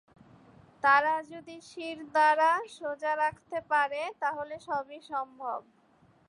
তারা যদি শিরদাঁড়া সোজা রাখতে পারে, তাহলে সবই সম্ভব।